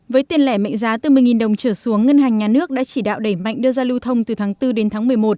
với tiền lẻ mệnh giá từ một mươi đồng trở xuống ngân hàng nhà nước đã chỉ đạo đẩy mạnh đưa ra lưu thông từ tháng bốn đến tháng một mươi một